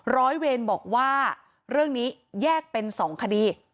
ร้อยเวรบอกว่าเรื่องนี้แยกเป็น๒คดี